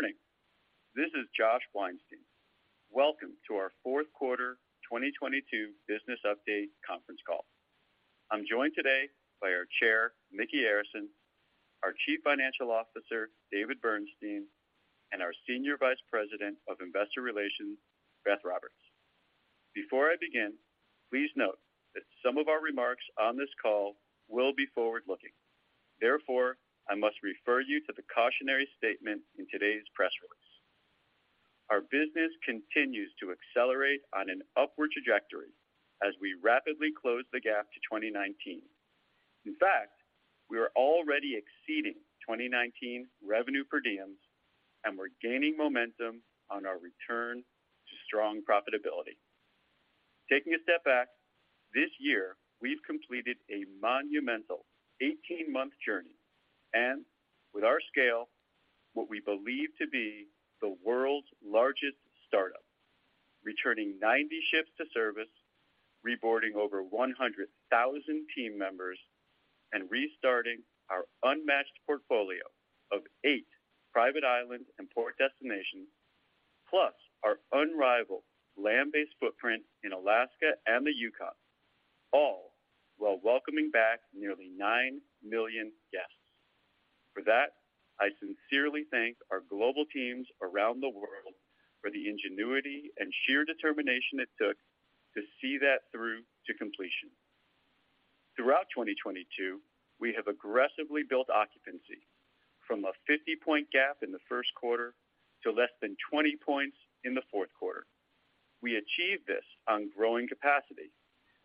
Morning. This is Josh Weinstein. Welcome to our fourth quarter 2022 business update conference call. I'm joined today by our Chair, Micky Arison, our Chief Financial Officer, David Bernstein, and our Senior Vice President of Investor Relations, Beth Roberts. Before I begin, please note that some of our remarks on this call will be forward-looking. Therefore, I must refer you to the cautionary statement in today's press release. Our business continues to accelerate on an upward trajectory as we rapidly close the gap to 2019. In fact, we are already exceeding 2019 revenue per diems, and we're gaining momentum on our return to strong profitability. Taking a step back, this year we've completed a monumental 18-month journey, with our scale, what we believe to be the world's largest startup, returning 90 ships to service, reboarding over 100,000 team members, and restarting our unmatched portfolio of 8 private islands and port destinations, plus our unrivaled land-based footprint in Alaska and the Yukon, all while welcoming back nearly nine million guests. For that, I sincerely thank our global teams around the world for the ingenuity and sheer determination it took to see that through to completion. Throughout 2022, we have aggressively built occupancy from a 50-point gap in the first quarter to less than 20 points in the fourth quarter. We achieved this on growing capacity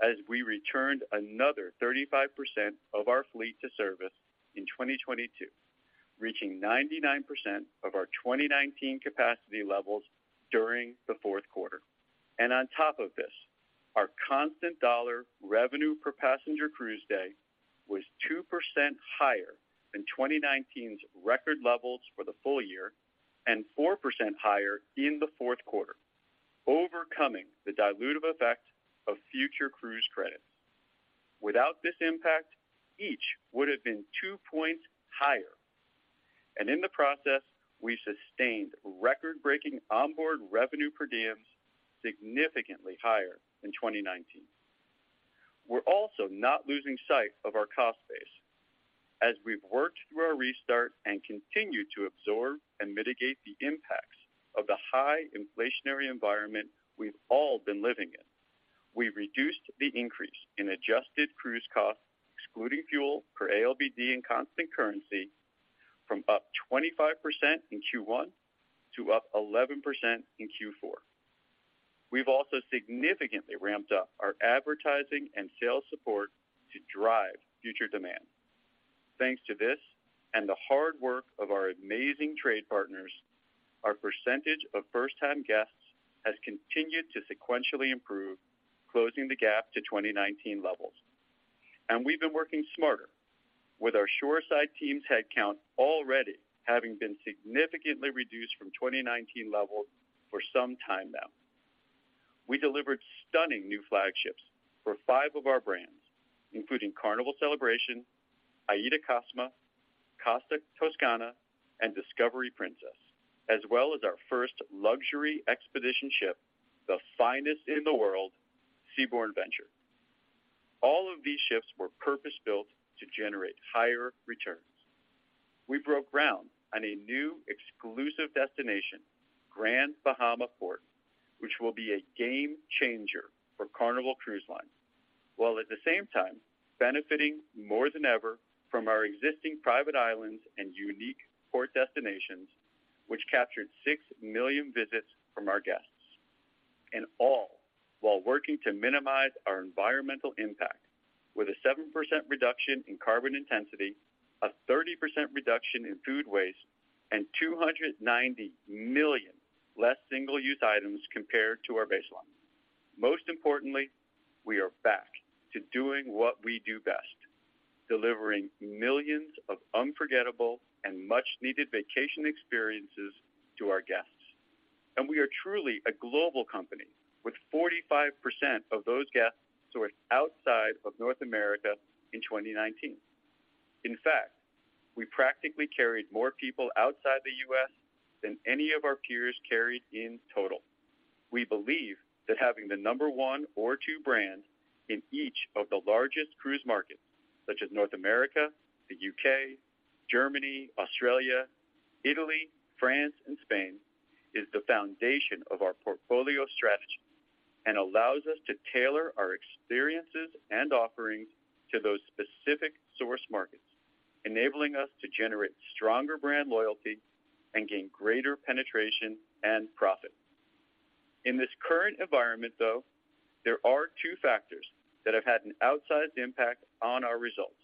as we returned another 35% of our fleet to service in 2022, reaching 99% of our 2019 capacity levels during the fourth quarter. On top of this, our constant dollar revenue per passenger cruise day was 2% higher than 2019's record levels for the full year and 4% higher in the fourth quarter, overcoming the dilutive effect of future cruise credits. Without this impact, each would have been two points higher. In the process, we sustained record-breaking onboard revenue per diems significantly higher in 2019. We're also not losing sight of our cost base. As we've worked through our restart and continue to absorb and mitigate the impacts of the high inflationary environment we've all been living in, we reduced the increase in adjusted cruise costs, excluding fuel per ALBD in constant currency from up 25% in Q1 to up 11% in Q4. We've also significantly ramped up our advertising and sales support to drive future demand. Thanks to this and the hard work of our amazing trade partners, our percentage of first-time guests has continued to sequentially improve, closing the gap to 2019 levels. We've been working smarter with our shoreside teams headcount already having been significantly reduced from 2019 levels for some time now. We delivered stunning new flagships for five of our brands, including Carnival Celebration, AIDAcosma, Costa Toscana, and Discovery Princess, as well as our first luxury expedition ship, the finest in the world, Seabourn Venture. All of these ships were purpose-built to generate higher returns. We broke ground on a new exclusive destination, Grand Bahama Port, which will be a game-changer for Carnival Cruise Line, while at the same time benefiting more than ever from our existing private islands and unique port destinations, which captured six million visits from our guests. All while working to minimize our environmental impact with a 7% reduction in carbon intensity, a 30% reduction in food waste, and 290 million less single-use items compared to our baseline. Most importantly, we are back to doing what we do best, delivering millions of unforgettable and much-needed vacation experiences to our guests. We are truly a global company with 45% of those guests sourced outside of North America in 2019. In fact, we practically carried more people outside the US than any of our peers carried in total. We believe that having the number one or two brand in each of the largest cruise markets, such as North America, the U.K., Germany, Australia, Italy, France, and Spain, is the foundation of our portfolio strategy and allows us to tailor our experiences and offerings to those specific source markets, enabling us to generate stronger brand loyalty and gain greater penetration and profit. In this current environment, though, there are two factors that have had an outsized impact on our results: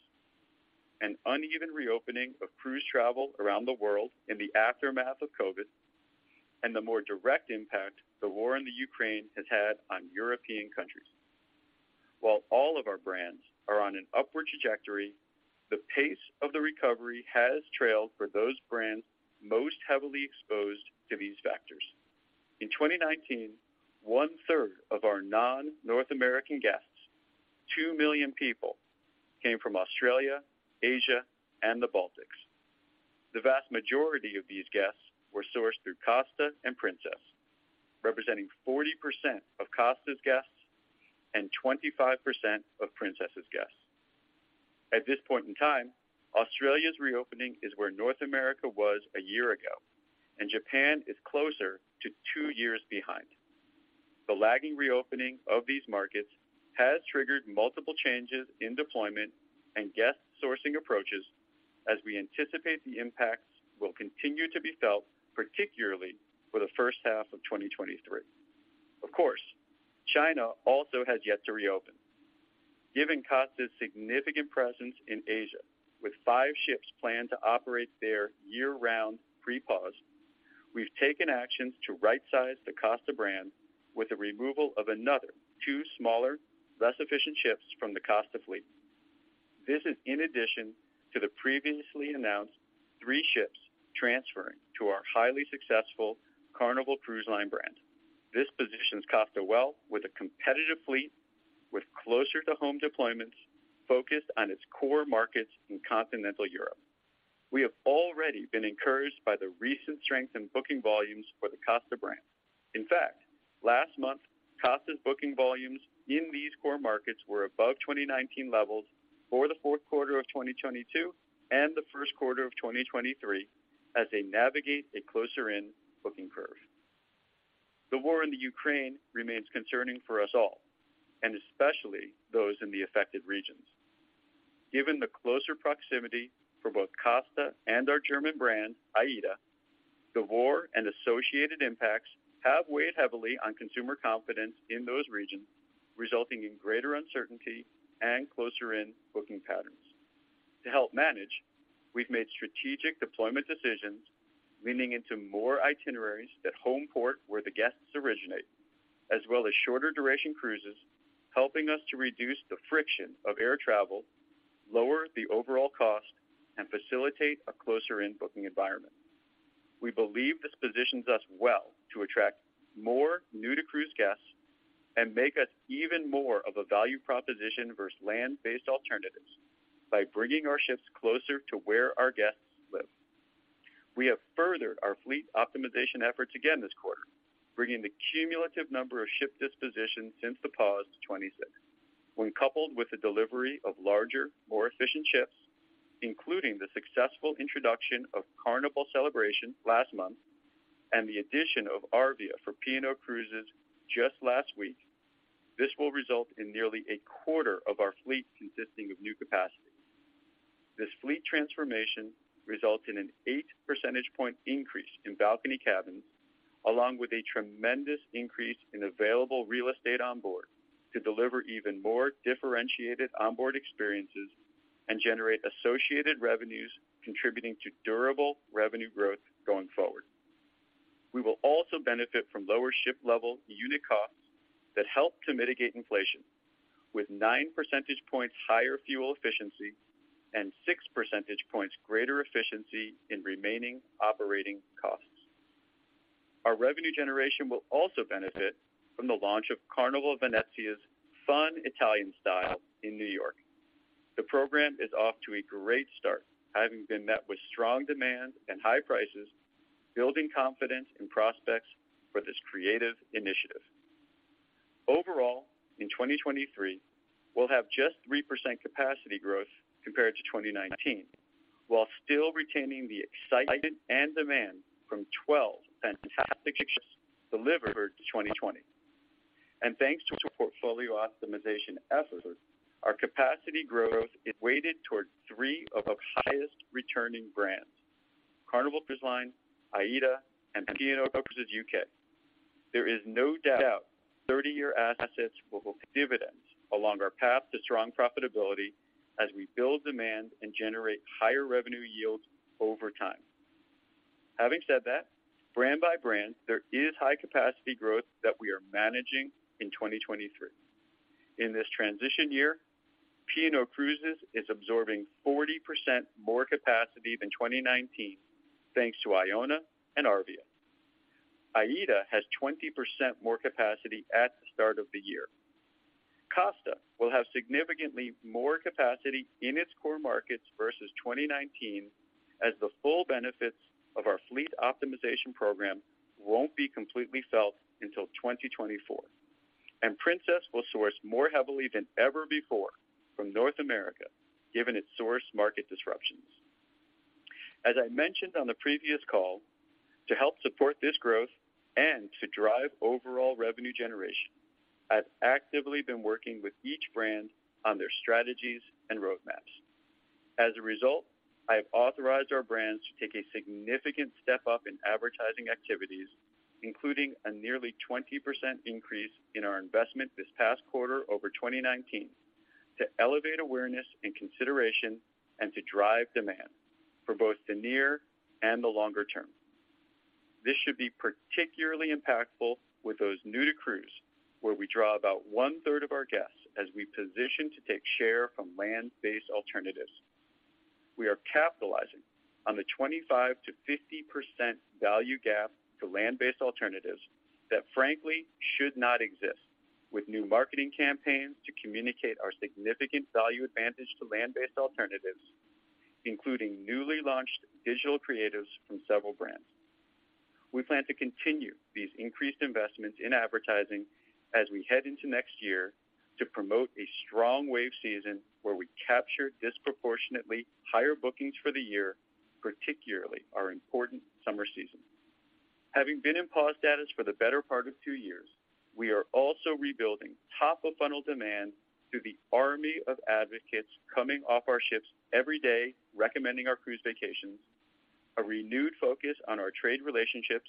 an uneven reopening of cruise travel around the world in the aftermath of COVID, and the more direct impact the war in Ukraine has had on European countries. While all of our brands are on an upward trajectory, the pace of the recovery has trailed for those brands most heavily exposed to these factors. In 2019, 1/3 of our non-North American guests two million people came from Australia, Asia, and the Baltics. The vast majority of these guests were sourced through Costa and Princess, representing 40% of Costa's guests and 25% of Princess's guests. At this point in time, Australia's reopening is where North America was a year ago, and Japan is closer to two years behind. The lagging reopening of these markets has triggered multiple changes in deployment and guest sourcing approaches as we anticipate the impacts will continue to be felt, particularly for the first half of 2023. Of course, China also has yet to reopen. Given Costa's significant presence in Asia, with five ships planned to operate there year-round pre-pause, we've taken actions to right-size the Costa brand with the removal of another two smaller, less efficient ships from the Costa fleet. This is in addition to the previously announced three ships transferring to our highly successful Carnival Cruise Line brand. This positions Costa well with a competitive fleet with closer to home deployments focused on its core markets in continental Europe. We have already been encouraged by the recent strength in booking volumes for the Costa brand. In fact, last month, Costa's booking volumes in these core markets were above 2019 levels for Q4 2022 and Q1 2023 as they navigate a closer-in booking curve. The war in the Ukraine remains concerning for us all, and especially those in the affected regions. Given the closer proximity for both Costa and our German brand, AIDA, the war and associated impacts have weighed heavily on consumer confidence in those regions, resulting in greater uncertainty and closer-in booking patterns. To help manage, we've made strategic deployment decisions leaning into more itineraries at home port where the guests originate, as well as shorter duration cruises, helping us to reduce the friction of air travel, lower the overall cost, and facilitate a closer-in booking environment. We believe this positions us well to attract more new-to-cruise guests and make us even more of a value proposition versus land-based alternatives by bringing our ships closer to where our guests live. We have furthered our fleet optimization efforts again this quarter, bringing the cumulative number of ship dispositions since the pause to 26. When coupled with the delivery of larger, more efficient ships, including the successful introduction of Carnival Celebration last month and the addition of Arvia for P&O Cruises just last week. This will result in nearly a quarter of our fleet consisting of new capacity. This fleet transformation results in an 8% point increase in balcony cabins, along with a tremendous increase in available real estate on board to deliver even more differentiated onboard experiences and generate associated revenues contributing to durable revenue growth going forward. We will also benefit from lower ship-level unit costs that help to mitigate inflation, with 9% points higher fuel efficiency and 6% points greater efficiency in remaining operating costs. Our revenue generation will also benefit from the launch of Carnival Venezia's Fun Italian Style in New York. The program is off to a great start, having been met with strong demand and high prices, building confidence in prospects for this creative initiative. Overall, in 2023, we'll have just 3% capacity growth compared to 2019, while still retaining the excitement and demand from 12 fantastic ships delivered to 2020. Thanks to our portfolio optimization efforts, our capacity growth is weighted toward three of our highest returning brands, Carnival Cruise Line, AIDA, and P&O Cruises U.K. There is no doubt 30-year assets will pay dividends along our path to strong profitability as we build demand and generate higher revenue yields over time. Having said that, brand by brand, there is high capacity growth that we are managing in 2023. In this transition year, P&O Cruises is absorbing 40% more capacity than 2019 thanks to Iona and Arvia. AIDA has 20% more capacity at the start of the year. Costa will have significantly more capacity in its core markets versus 2019 as the full benefits of our fleet optimization program won't be completely felt until 2024. Princess will source more heavily than ever before from North America, given its source market disruptions. As I mentioned on the previous call, to help support this growth and to drive overall revenue generation, I've actively been working with each brand on their strategies and roadmaps. As a result, I have authorized our brands to take a significant step up in advertising activities, including a nearly 20% increase in our investment this past quarter over 2019 to elevate awareness and consideration and to drive demand for both the near and the longer term. This should be particularly impactful with those new to cruise, where we draw about 1/3 of our guests as we position to take share from land-based alternatives. We are capitalizing on the 25%-50% value gap to land-based alternatives that frankly should not exist with new marketing campaigns to communicate our significant value advantage to land-based alternatives, including newly launched digital creatives from several brands. We plan to continue these increased investments in advertising as we head into next year to promote a strong wave season where we capture disproportionately higher bookings for the year, particularly our important summer season. Having been in pause status for the better part of two years, we are also rebuilding top-of-funnel demand through the army of advocates coming off our ships every day recommending our cruise vacations, a renewed focus on our trade relationships,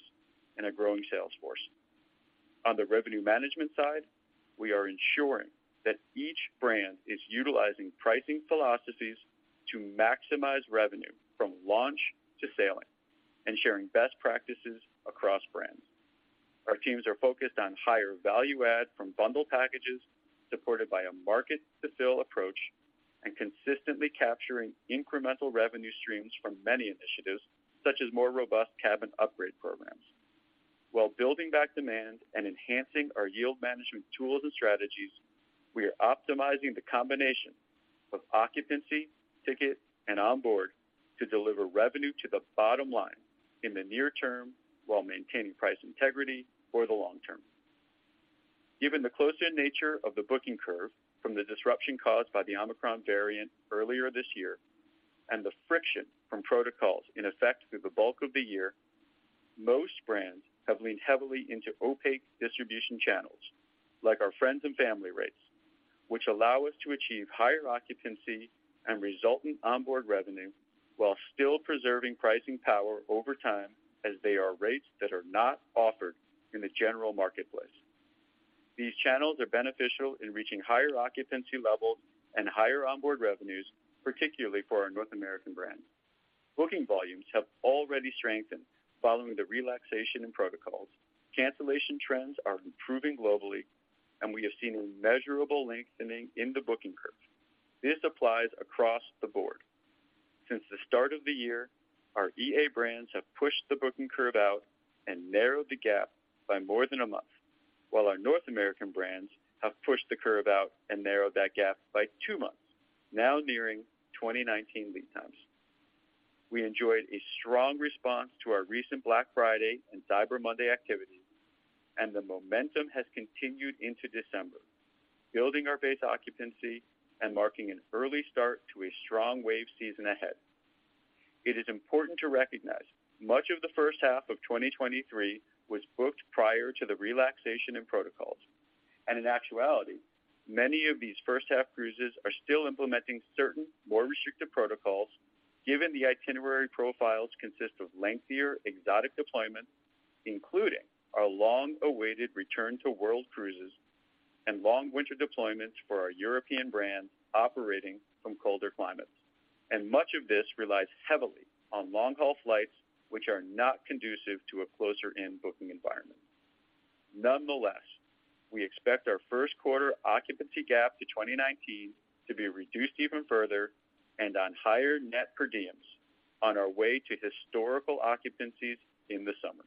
and a growing sales force. On the revenue management side, we are ensuring that each brand is utilizing pricing philosophies to maximize revenue from launch to sailing and sharing best practices across brands. Our teams are focused on higher value add from bundle packages supported by a market-to-fill approach and consistently capturing incremental revenue streams from many initiatives, such as more robust cabin upgrade programs. While building back demand and enhancing our yield management tools and strategies, we are optimizing the combination of occupancy, ticket, and onboard to deliver revenue to the bottom line in the near term while maintaining price integrity for the long term. Given the closer nature of the booking curve from the disruption caused by the Omicron variant earlier this year and the friction from protocols in effect through the bulk of the year, most brands have leaned heavily into opaque distribution channels like our friends and family rates, which allow us to achieve higher occupancy and resultant onboard revenue while still preserving pricing power over time as they are rates that are not offered in the general marketplace. These channels are beneficial in reaching higher occupancy levels and higher onboard revenues, particularly for our North American brands. Booking volumes have already strengthened following the relaxation in protocols. Cancellation trends are improving globally, and we have seen a measurable lengthening in the booking curve. This applies across the board. Since the start of the year, our EA brands have pushed the booking curve out and narrowed the gap by more than a month, while our North American brands have pushed the curve out and narrowed that gap by two months, now nearing 2019 lead times. We enjoyed a strong response to our recent Black Friday and Cyber Monday activities, and the momentum has continued into December, building our base occupancy and marking an early start to a strong wave season ahead. It is important to recognize much of the first half of 2023 was booked prior to the relaxation in protocols. In actuality, many of these first-half cruises are still implementing certain more restrictive protocols given the itinerary profiles consist of lengthier exotic deployments, including our long-awaited return to world cruises and long winter deployments for our European brands operating from colder climates. Much of this relies heavily on long-haul flights which are not conducive to a closer-in booking environment. Nonetheless, we expect our first quarter occupancy gap to 2019 to be reduced even further and on higher net per diems on our way to historical occupancies in the summer.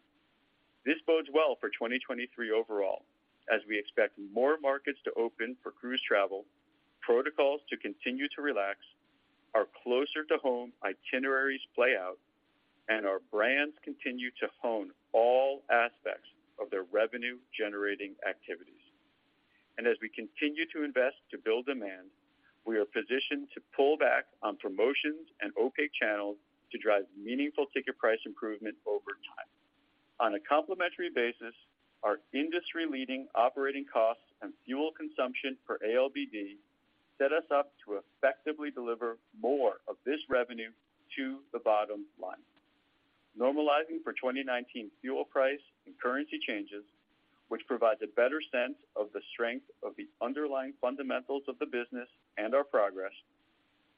This bodes well for 2023 overall as we expect more markets to open for cruise travel, protocols to continue to relax, our closer-to-home itineraries play out, and our brands continue to hone all aspects of their revenue-generating activities. As we continue to invest to build demand, we are positioned to pull back on promotions and opaque channels to drive meaningful ticket price improvement over time. On a complementary basis, our industry-leading operating costs and fuel consumption per ALBD set us up to effectively deliver more of this revenue to the bottom line. Normalizing for 2019 fuel price and currency changes, which provides a better sense of the strength of the underlying fundamentals of the business and our progress,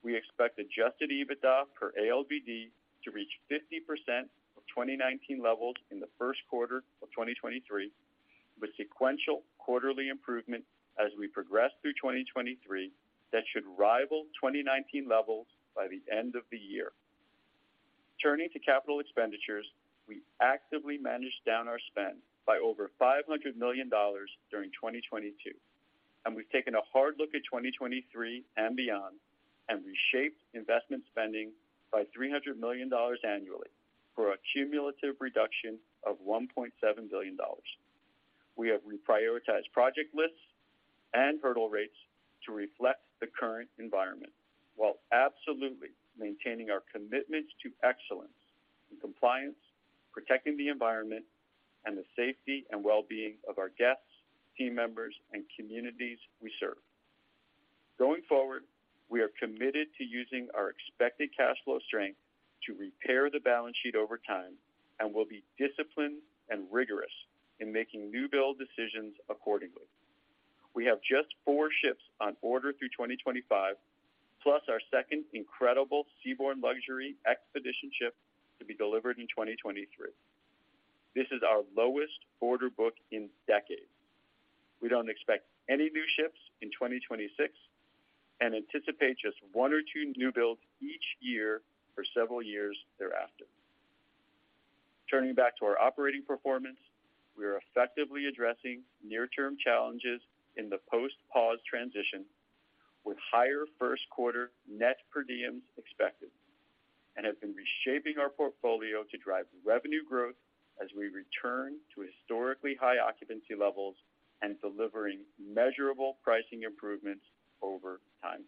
we expect adjusted EBITDA per ALBD to reach 50% of 2019 levels in the first quarter of 2023, with sequential quarterly improvement as we progress through 2023 that should rival 2019 levels by the end of the year. Turning to capital expenditures, we actively managed down our spend by over $500 million during 2022. We've taken a hard look at 2023 and beyond and reshaped investment spending by $300 million annually for a cumulative reduction of $1.7 billion. We have reprioritized project lists and hurdle rates to reflect the current environment while absolutely maintaining our commitment to excellence in compliance, protecting the environment, and the safety and well-being of our guests, team members, and communities we serve. Going forward, we are committed to using our expected cash flow strength to repair the balance sheet over time and will be disciplined and rigorous in making new build decisions accordingly. We have just four ships on order through 2025, plus our second incredible Seabourn luxury expedition ship to be delivered in 2023. This is our lowest order book in decades. We don't expect any new ships in 2026 and anticipate just one or two new builds each year for several years thereafter. Turning back to our operating performance, we are effectively addressing near-term challenges in the post-pause transition with higher first quarter net per diems expected and have been reshaping our portfolio to drive revenue growth as we return to historically high occupancy levels and delivering measurable pricing improvements over time.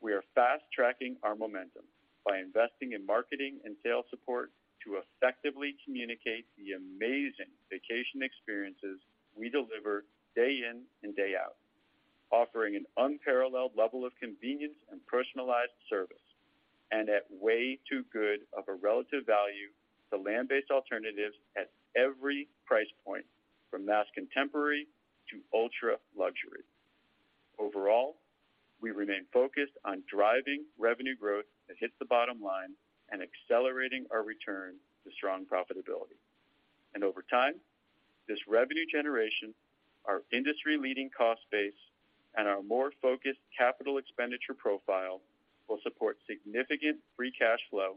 We are fast-tracking our momentum by investing in marketing and sales support to effectively communicate the amazing vacation experiences we deliver day in and day out, offering an unparalleled level of convenience and personalized service and at way too good of a relative value to land-based alternatives at every price point from mass contemporary to ultra-luxury. Overall, we remain focused on driving revenue growth that hits the bottom line and accelerating our return to strong profitability. Over time, this revenue generation, our industry-leading cost base, and our more focused capital expenditure profile will support significant free cash flow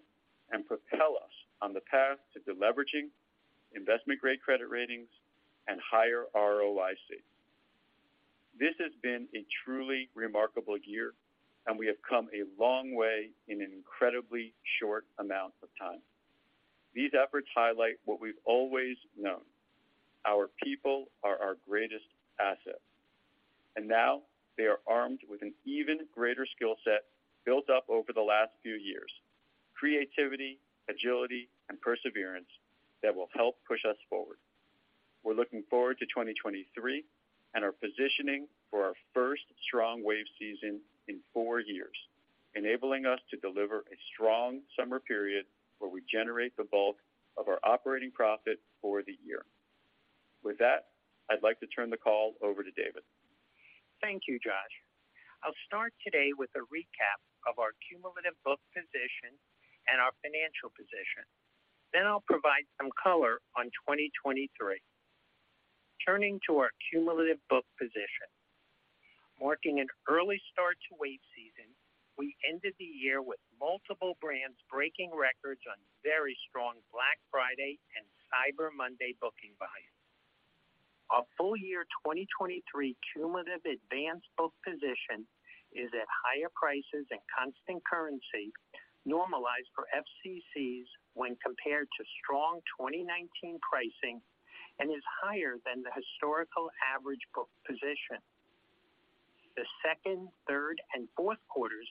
and propel us on the path to deleveraging investment-grade credit ratings and higher ROIC. This has been a truly remarkable year, and we have come a long way in an incredibly short amount of time. These efforts highlight what we've always known: our people are our greatest asset, and now they are armed with an even greater skill set built up over the last few years, creativity, agility, and perseverance that will help push us forward. We're looking forward to 2023 and are positioning for our first strong wave season in 4 years, enabling us to deliver a strong summer period where we generate the bulk of our operating profit for the year. With that, I'd like to turn the call over to David. Thank you, Josh. I'll start today with a recap of our cumulative book position and our financial position. I'll provide some color on 2023. Turning to our cumulative book position. Marking an early start to wave season, we ended the year with multiple brands breaking records on very strong Black Friday and Cyber Monday booking buys. Our full year 2023 cumulative advanced book position is at higher prices and constant currency normalized for FCCs when compared to strong 2019 pricing and is higher than the historical average book position. The second, third, and fourth quarters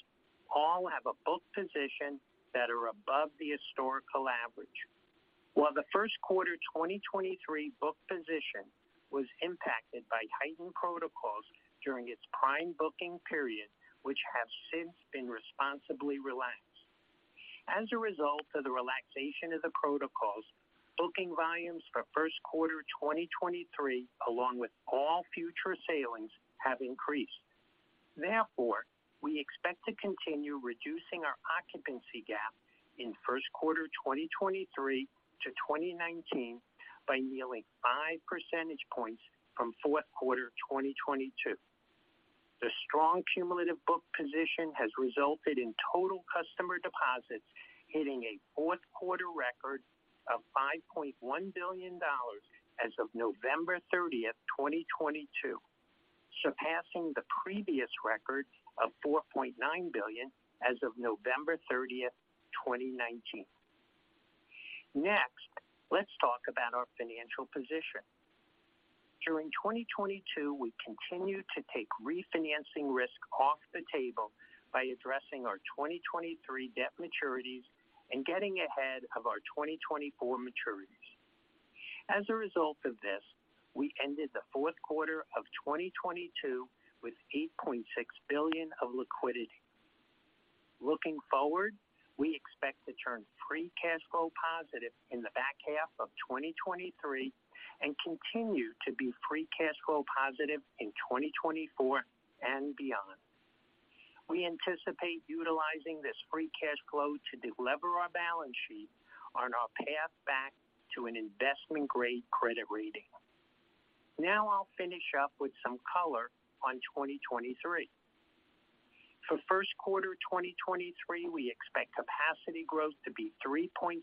all have a book position that are above the historical average. While the first quarter 2023 book position was impacted by heightened protocols during its prime booking period, which have since been responsibly relaxed. As a result of the relaxation of the protocols, booking volumes for first quarter 2023, along with all future sailings, have increased. We expect to continue reducing our occupancy gap in first quarter 2023 - 2019 by nearly 5% points from fourth quarter 2022. The strong cumulative book position has resulted in total customer deposits hitting a fourth quarter record of $5.1 billion as of November 30th, 2022, surpassing the previous record of $4.9 billion as of November 30th, 2019. Let's talk about our financial position. During 2022, we continued to take refinancing risk off the table by addressing our 2023 debt maturities and getting ahead of our 2024 maturities. We ended the fourth quarter of 2022 with $8.6 billion of liquidity. Looking forward, we expect to turn free cash flow positive in the back half of 2023 and continue to be free cash flow positive in 2024 and beyond. We anticipate utilizing this free cash flow to delever our balance sheet on our path back to an investment-grade credit rating. I'll finish up with some color on 2023. For first quarter 2023, we expect capacity growth to be 3.7%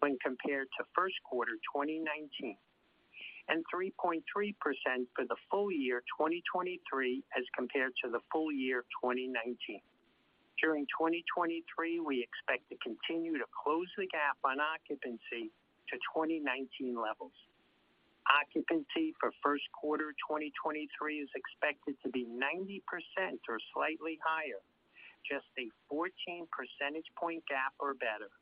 when compared to first quarter 2019 and 3.3% for the full year 2023 as compared to the full year 2019. During 2023, we expect to continue to close the gap on occupancy to 2019 levels. Occupancy for first quarter 2023 is expected to be 90% or slightly higher, just a 14% point gap or better.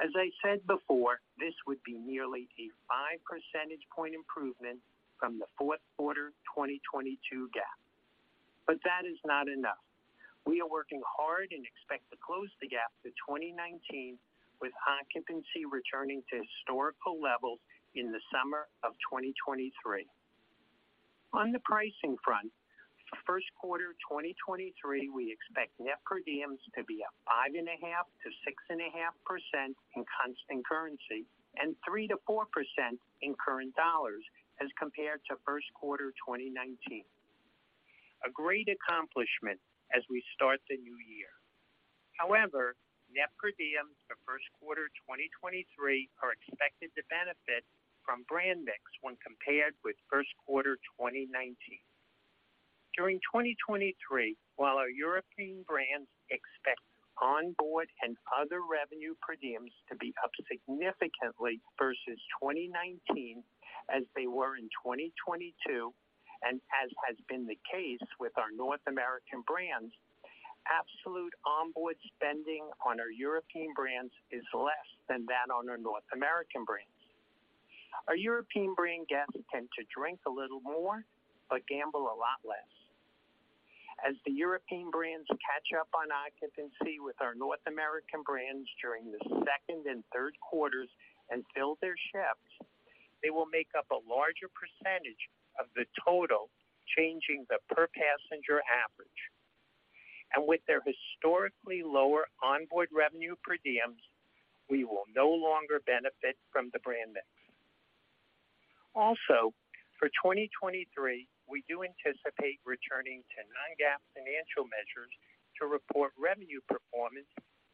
As I said before, this would be nearly a 5% point improvement from the fourth quarter 2022 gap. That is not enough. We are working hard and expect to close the gap to 2019 with occupancy returning to historical levels in the summer of 2023. On the pricing front, first quarter 2023, we expect net per diems to be up 5.5%-6.5% in constant currency and 3%-4% in current dollars as compared to first quarter 2019. A great accomplishment as we start the new year. Net per diems for first quarter 2023 are expected to benefit from brand mix when compared with first quarter 2019. During 2023, while our European brands expect onboard and other revenue per diems to be up significantly versus 2019 as they were in 2022, and as has been the case with our North American brands, absolute onboard spending on our European brands is less than that on our North American brands. Our European brand guests tend to drink a little more, but gamble a lot less. As the European brands catch up on occupancy with our North American brands during the second and third quarters and fill their ships, they will make up a larger percentage of the total, changing the per passenger average. With their historically lower onboard revenue per diems, we will no longer benefit from the brand mix. Also, for 2023, we do anticipate returning to non-GAAP financial measures to report revenue performance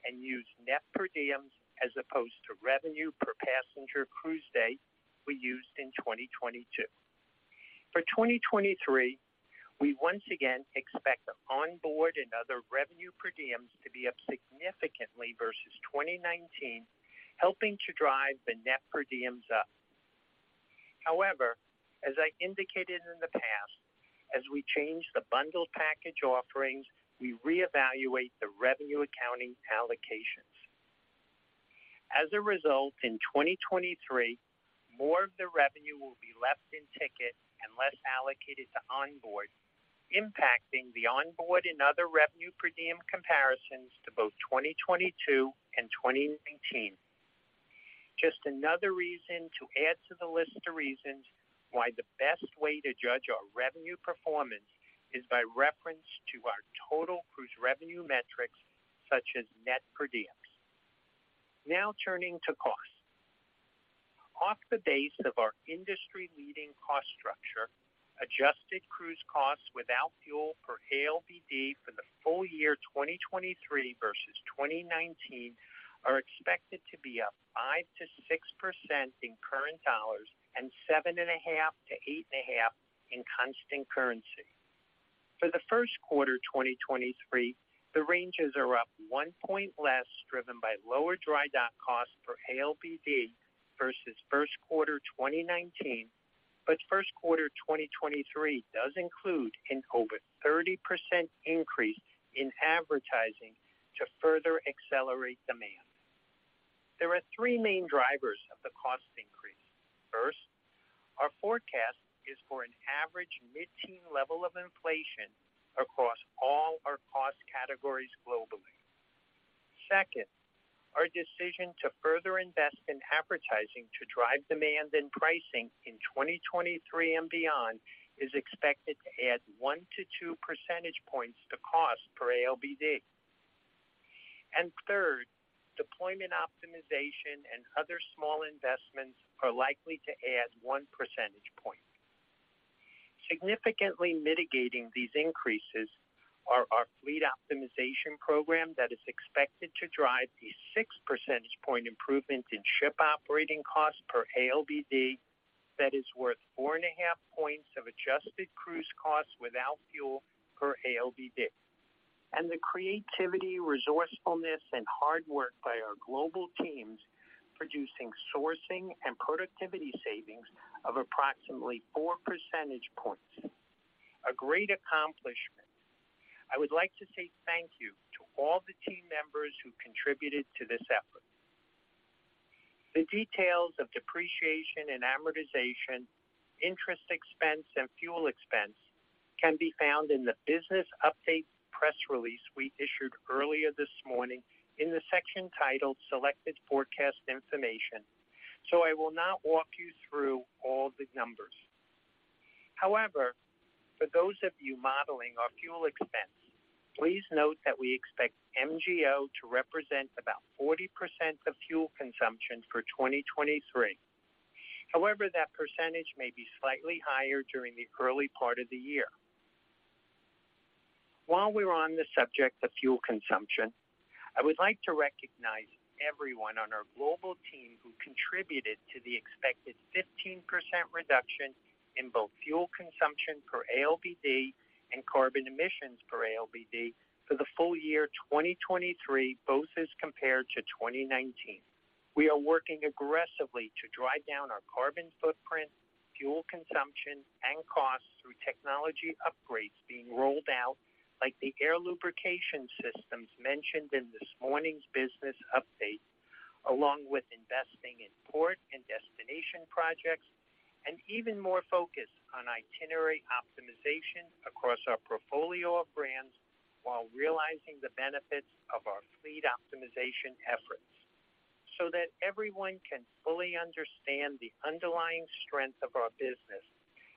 and use net per diems as opposed to revenue per passenger cruise day we used in 2022. For 2023, we once again expect the onboard and other revenue per diems to be up significantly versus 2019, helping to drive the net per diems up. However, as I indicated in the past, as we change the bundled package offerings, we reevaluate the revenue accounting allocations. As a result, in 2023, more of the revenue will be left in ticket and less allocated to onboard, impacting the onboard and other revenue per diem comparisons to both 2022 and 2019. Just another reason to add to the list of reasons why the best way to judge our revenue performance is by reference to our total cruise revenue metrics such as net per diems. Turning to cost. Off the base of our industry-leading cost structure, adjusted cruise costs without fuel per ALBD for the full year 2023 versus 2019 are expected to be up 5%-6% in current dollars and 7.5%-8.5% in constant currency. For the first quarter 2023, the ranges are up one point less, driven by lower dry dock costs per ALBD versus first quarter 2019. First quarter 2023 does include an over 30% increase in advertising to further accelerate demand. There are three main drivers of the cost increase. First, our forecast is for an average mid-teen level of inflation across all our cost categories globally. Second, our decision to further invest in advertising to drive demand and pricing in 2023 and beyond is expected to add 1%-2% points to cost per ALBD. Third, deployment optimization and other small investments are likely to add 1% point. Significantly mitigating these increases are our fleet optimization program that is expected to drive the 6% point improvement in ship operating costs per ALBD that is worth four and a half points of adjusted cruise costs without fuel per ALBD. The creativity, resourcefulness, and hard work by our global teams producing sourcing and productivity savings of approximately 4% points. A great accomplishment. I would like to say thank you to all the team members who contributed to this effort. The details of depreciation and amortization, interest expense, and fuel expense can be found in the business update press release we issued earlier this morning in the section titled Selected Forecast Information. I will not walk you through all the numbers. For those of you modeling our fuel expense, please note that we expect MGO to represent about 40% of fuel consumption for 2023. That percentage may be slightly higher during the early part of the year. While we're on the subject of fuel consumption, I would like to recognize everyone on our global team who contributed to the expected 15% reduction in both fuel consumption per ALBD and carbon emissions per ALBD for the full year 2023, both as compared to 2019. We are working aggressively to drive down our carbon footprint, fuel consumption, and costs through technology upgrades being rolled out, like the Air Lubrication Systems mentioned in this morning's business update, along with investing in port and destination projects, and even more focus on itinerary optimization across our portfolio of brands while realizing the benefits of our fleet optimization efforts. So that everyone can fully understand the underlying strength of our business,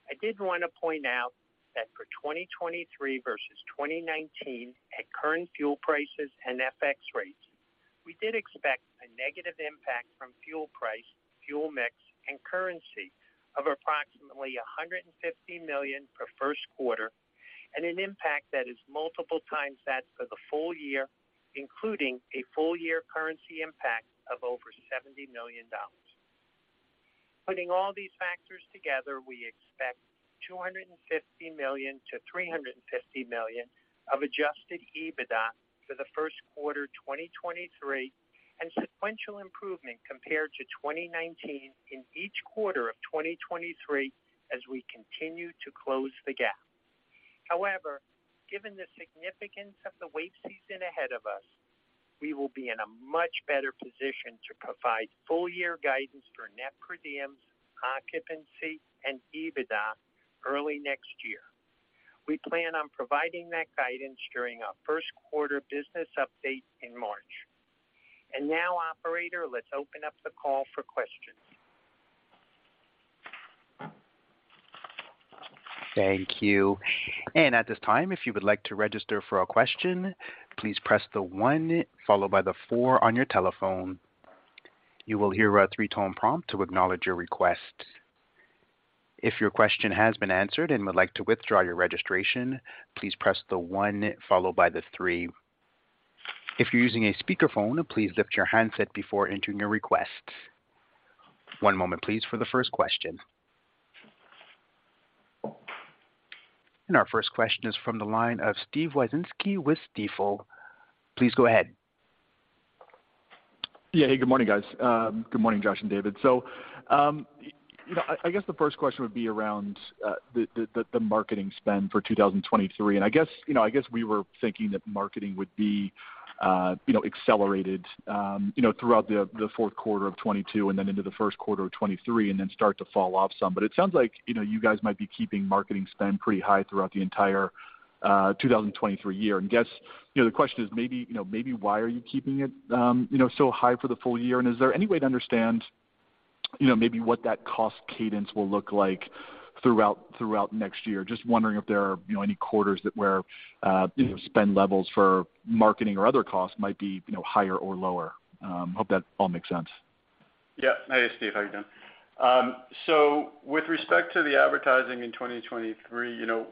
I did wanna point out that for 2023 versus 2019 at current fuel prices and FX rates, we did expect a negative impact from fuel price, fuel mix, and currency of approximately $150 million per first quarter and an impact that is multiple times that for the full year, including a full year currency impact of over $70 million. Putting all these factors together, we expect $250 million-$350 million of adjusted EBITDA for the first quarter 2023 and sequential improvement compared to 2019 in each quarter of 2023 as we continue to close the gap. However, given the significance of the wave season ahead of us, we will be in a much better position to provide full year guidance for net per diems, occupancy, and EBITDA early next year. We plan on providing that guidance during our first quarter business update in March. Now, operator, let's open up the call for questions. Thank you. At this time, if you would like to register for a question, please press the one followed by the four on your telephone. You will hear a three-tone prompt to acknowledge your request. If your question has been answered and would like to withdraw your registration, please press the one followed by the three. If you're using a speakerphone, please lift your handset before entering your request. moment please for the first question. Our first question is from the line of Steven Wieczynski with Stifel. Please go ahead. Yeah. Hey, good morning, guys. Good morning, Josh and David. You know, I guess the first question would be around the marketing spend for 2023. I guess, you know, I guess we were thinking that marketing would be, you know, accelerated, throughout the fourth quarter of 2022 and then into the first quarter of 2023, and then start to fall off some. It sounds like, you know, you guys might be keeping marketing spend pretty high throughout the entire 2023 year. Guess, you know, the question is maybe why are you keeping it so high for the full year? Is there any way to understand, you know, maybe what that cost cadence will look like throughout next year? Just wondering if there are, you know, any quarters that where, you know, spend levels for marketing or other costs might be, you know, higher or lower. Hope that all makes sense. Yeah. Hey, Steven. How you doing? With respect to the advertising in 2023, you know,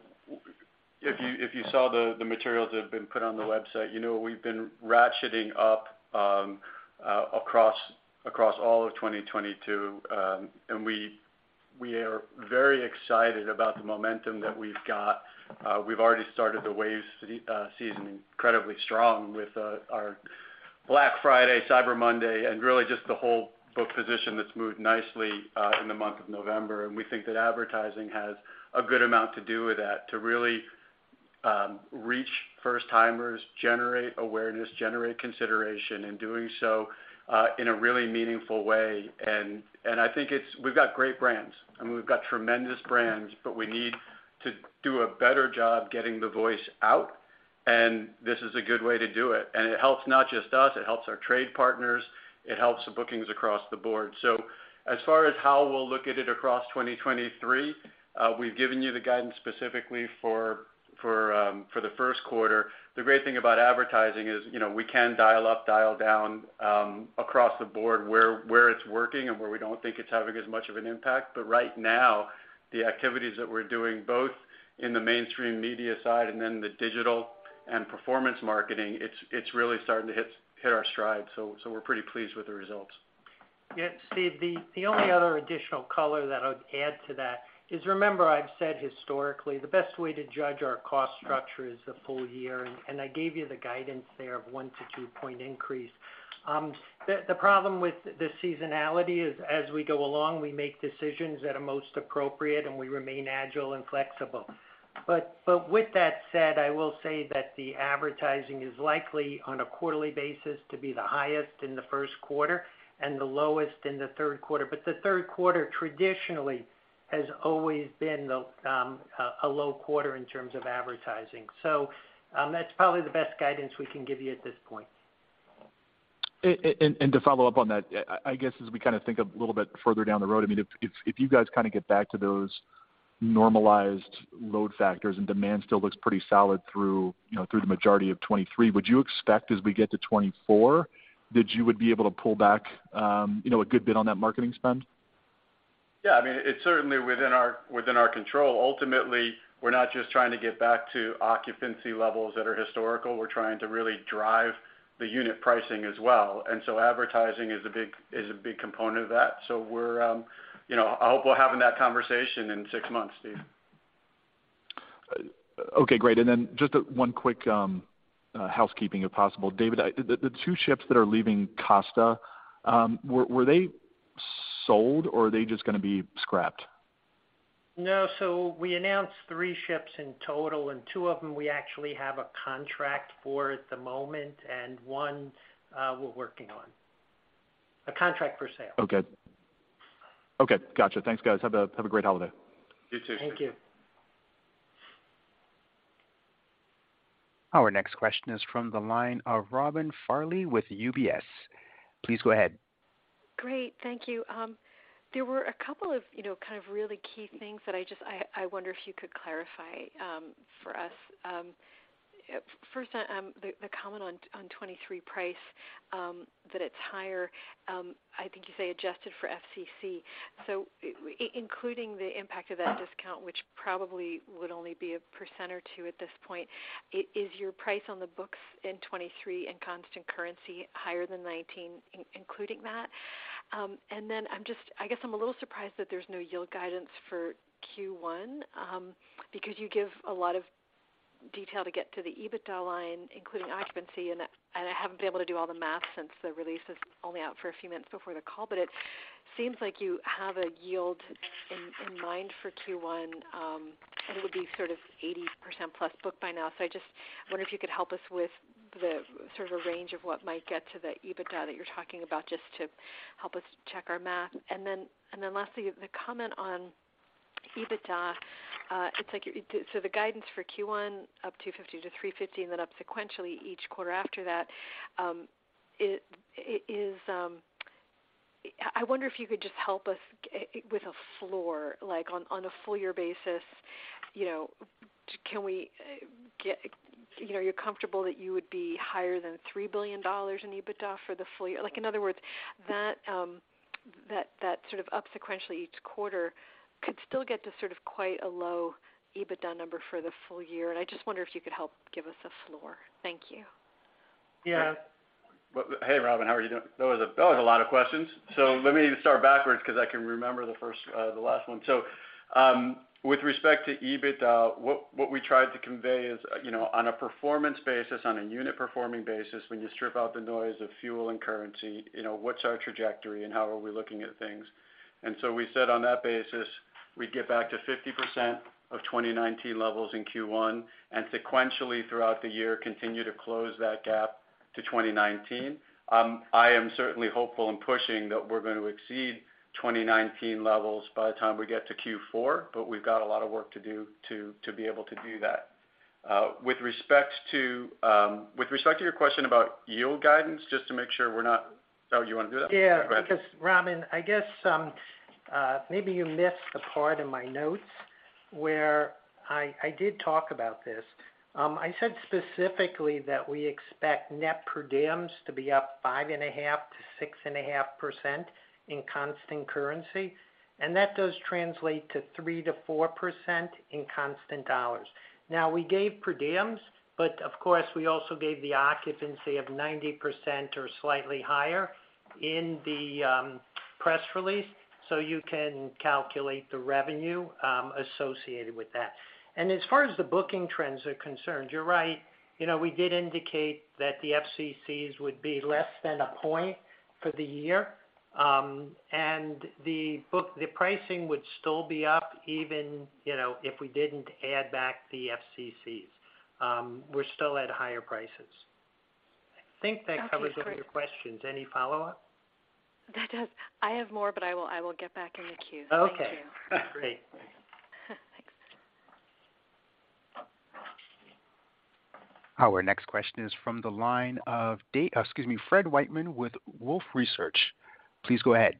if you saw the materials that have been put on the website, you know we've been ratcheting up across all of 2022. We are very excited about the momentum that we've got. We've already started the wave season incredibly strong with our Black Friday, Cyber Monday, and really just the whole book position that's moved nicely in the month of November. We think that advertising has a good amount to do with that, to really reach first timers, generate awareness, generate consideration, and doing so in a really meaningful way. I think we've got great brands. I mean, we've got tremendous brands, but we need to do a better job getting the voice out, and this is a good way to do it. It helps not just us, it helps our trade partners, it helps the bookings across the board. As far as how we'll look at it across 2023, we've given you the guidance specifically for the first quarter. The great thing about advertising is, you know, we can dial up, dial down across the board where it's working and where we don't think it's having as much of an impact. Right now, the activities that we're doing both in the mainstream media side and then the digital and performance marketing, it's really starting to hit our stride. We're pretty pleased with the results. Yeah. Steven, the only other additional color that I would add to that is, remember I've said historically, the best way to judge our cost structure is the full year, and I gave you the guidance there of one - two point increase. The problem with the seasonality is as we go along, we make decisions that are most appropriate, and we remain agile and flexible. With that said, I will say that the advertising is likely on a quarterly basis to be the highest in the first quarter and the lowest in the third quarter. The third quarter traditionally has always been the low quarter in terms of advertising. That's probably the best guidance we can give you at this point. To follow up on that, I guess, as we kind of think a little bit further down the road, I mean, if you guys kind of get back to those normalized load factors and demand still looks pretty solid through, you know, through the majority of 2023, would you expect as we get to 2024 that you would be able to pull back, you know, a good bit on that marketing spend? Yeah. I mean, it's certainly within our, within our control. Ultimately, we're not just trying to get back to occupancy levels that are historical, we're trying to really drive the unit pricing as well. Advertising is a big component of that. We're, you know... I hope we're having that conversation in six months, Steve. Okay. Great. Just one quick, housekeeping if possible. David, The two ships that are leaving Costa, were they sold or are they just gonna be scrapped? No. We announced three ships in total, and two of them we actually have a contract for at the moment, and one, we're working on. A contract for sale. Okay. Okay. Gotcha. Thanks, guys. Have a great holiday. You too. Thank you. Our next question is from the line of Robin Farley with UBS. Please go ahead. Great. Thank you. There were a couple of, you know, kind of really key things that I wonder if you could clarify for us. First, the comment on 2023 price, that it's higher, I think you say adjusted for FCC. So including the impact of that discount, which probably would only be 1% or 2% at this point, is your price on the books in 2023 in constant currency higher than 2019 including that? I guess I'm a little surprised that there's no yield guidance for Q1, because you give a lot of detail to get to the EBITDA line, including occupancy. I haven't been able to do all the math since the release is only out for a few minutes before the call. It seems like you have a yield in mind for Q1, and it would be sort of 80% plus booked by now. I just wonder if you could help us with the sort of a range of what might get to the EBITDA that you're talking about, just to help us check our math. Lastly, the comment on EBITDA, So the guidance for Q1 up $250 million-$350 million and then up sequentially each quarter after that, it is... I wonder if you could just help us with a floor, like on a full year basis, you know, you're comfortable that you would be higher than $3 billion in EBITDA for the full year. Like in other words, that sort of up sequentially each quarter could still get to sort of quite a low EBITDA number for the full year. I just wonder if you could help give us a floor. Thank you. Yeah. Hey, Robin. How are you doing? That was a lot of questions. Let me start backwards because I can remember the first, the last one. With respect to EBITDA, what we tried to convey is, you know, on a performance basis, on a unit performing basis, when you strip out the noise of fuel and currency, you know, what's our trajectory and how are we looking at things. We said on that basis, we'd get back to 50% of 2019 levels in Q1, and sequentially throughout the year, continue to close that gap to 2019. I am certainly hopeful in pushing that we're going to exceed 2019 levels by the time we get to Q4, but we've got a lot of work to do to be able to do that. With respect to your question about yield guidance. Oh, you wanna do that? Yeah. Go ahead. Robin, I guess, maybe you missed the part in my notes where I did talk about this. I said specifically that we expect net per diems to be up 5.5%-6.5% in constant currency, and that does translate to 3%-4% in constant dollars. We gave per diems, but of course, we also gave the occupancy of 90% or slightly higher in the press release, so you can calculate the revenue associated with that. As far as the booking trends are concerned, you're right. You know, we did indicate that the FCCs would be less than a point for the year, and the pricing would still be up even, you know, if we didn't add back the FCCs. We're still at higher prices. I think that covers all your questions. Any follow-up? That does. I have more, but I will get back in the queue. Okay. Thank you. Great. Thanks. Our next question is from the line of excuse me, Frederick Wightman with Wolfe Research. Please go ahead.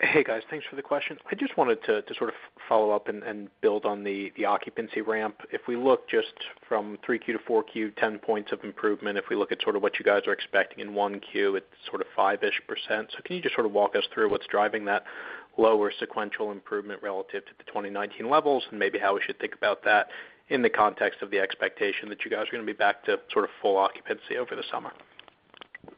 Hey, guys. Thanks for the questions. I just wanted to sort of follow up and build on the occupancy ramp. If we look just from Q3 - Q4, 10 points of improvement. If we look at sort of what you guys are expecting in Q1, it's sort of 5%-ish. Can you just sort of walk us through what's driving that lower sequential improvement relative to the 2019 levels and maybe how we should think about that in the context of the expectation that you guys are gonna be back to sort of full occupancy over the summer?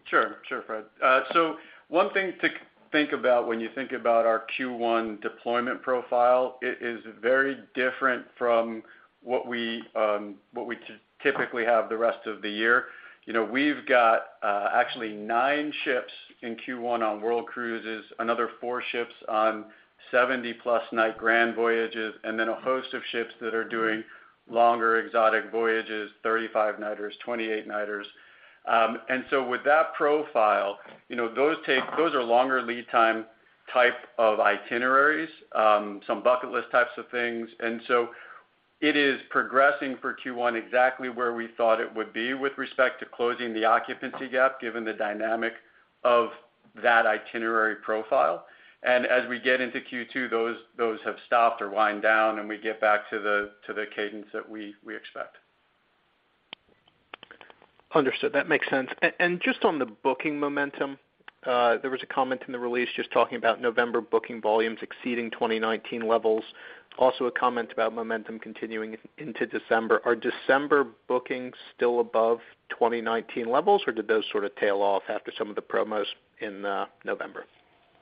Sure. Sure, Frederick. One thing to think about when you think about our Q1 deployment profile, it is very different from what we typically have the rest of the year. You know, we've got actually nine ships in Q1 on world cruises, another four ships on 70+ night grand voyages, and then a host of ships that are doing longer exotic voyages, 35 nighters, 28 nighters. With that profile, you know, those are longer lead time type of itineraries, some bucket list types of things. It is progressing for Q1 exactly where we thought it would be with respect to closing the occupancy gap, given the dynamic of that itinerary profile. As we get into Q2, those have stopped or wind down, and we get back to the cadence that we expect. Understood. That makes sense. Just on the booking momentum, there was a comment in the release just talking about November booking volumes exceeding 2019 levels. A comment about momentum continuing into December. Are December bookings still above 2019 levels or did those sort of tail off after some of the promos in November?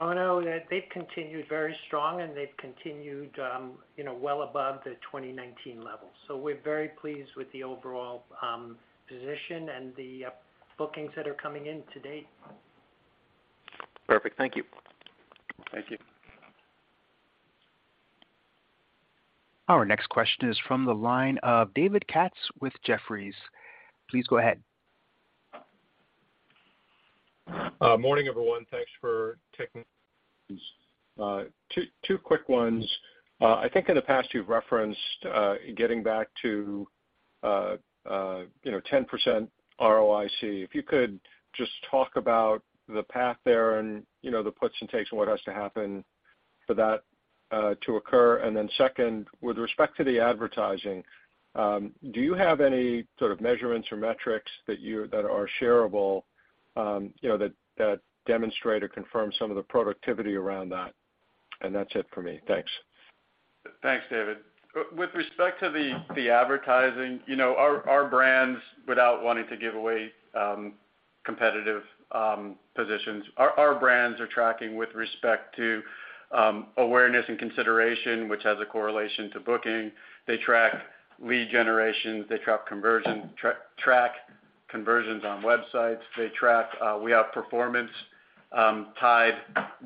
Oh, no. They've continued very strong, and they've continued, you know, well above the 2019 levels. We're very pleased with the overall position and the bookings that are coming in to date. Perfect. Thank you. Thank you. Our next question is from the line of David Katz with Jefferies. Please go ahead. Morning, everyone. Thanks for taking two quick ones. I think in the past, you've referenced, getting back to, you know, 10% ROIC. If you could just talk about the path there and, you know, the puts and takes and what has to happen for that to occur. Then second, with respect to the advertising, do you have any sort of measurements or metrics that are shareable, you know, that demonstrate or confirm some of the productivity around that? That's it for me. Thanks. Thanks, David. With respect to the advertising, you know, our brands, without wanting to give away competitive positions, our brands are tracking with respect to awareness and consideration, which has a correlation to booking. They track lead generation. They track conversions on websites. They track. We have performance tied